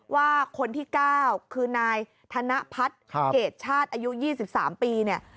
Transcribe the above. ว่าคนที่๙คือนายธนพัฒน์เกรดชาติอายุ๒๓ปีเนี่ย